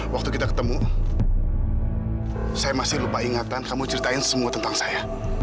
waktu kita ketemu saya masih lupa ingatan kamu ceritain semua tentang saya